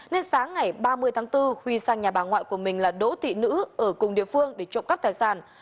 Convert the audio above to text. nên sáng ngày ba mươi tháng bốn huy sang nhà bà ngoại của mình là đỗ thị nữ ở cùng địa phương để trộm cắp tài sản